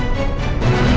nih ga ada apa apa